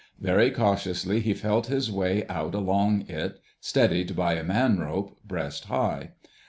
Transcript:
Very cautiously he felt his way out along it steadied by a man rope, breast high.